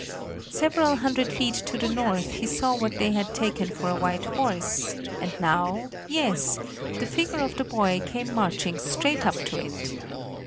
Several hundred feet to the north he saw what they had taken for a white horse; and now yes, the figure of the boy came marching straight up to it.